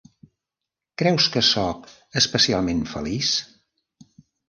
Creus que sóc especialment feliç?